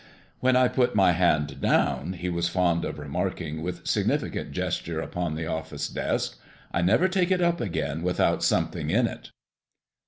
"When I put my hand down," he was fond of remarking, with significant gesture upon the office desk, "I never take it up again without something in it."